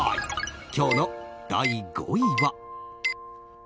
今日の第５位は。